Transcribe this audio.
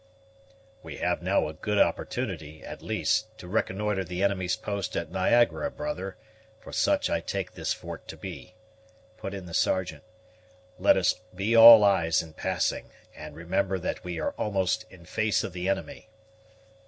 "We have now a good opportunity, at least, to reconnoitre the enemy's post at Niagara, brother, for such I take this fort to be," put in the Sergeant. "Let us be all eyes in passing, and remember that we are almost in face of the enemy."